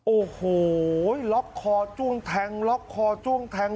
โอ้โหล๊อคคอจุ้มแทงล๊อคคอจุ้มแทง